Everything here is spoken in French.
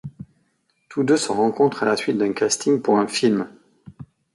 Tous deux se rencontrent à la suite d’un casting pour un film.